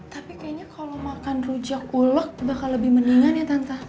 tapi kayaknya kalau makan rujak ulok bakal lebih mendingan ya tanta